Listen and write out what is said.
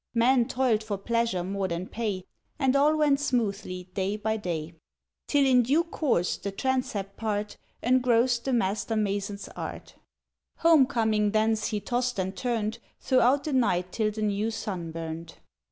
Men toiled for pleasure more than pay, And all went smoothly day by day, Till, in due course, the transept part Engrossed the master mason's art. —Home coming thence he tossed and turned Throughout the night till the new sun burned.